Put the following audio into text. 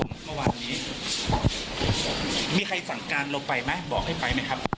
เมื่อวานนี้มีใครสั่งการลงไปไหมบอกให้ไปไหมครับ